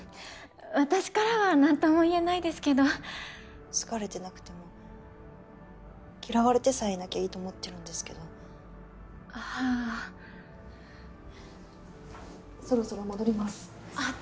私からは何とも言えないですけど好かれてなくても嫌われてさえいなきゃいいと思ってるんですけどはぁそろそろ戻りますあっ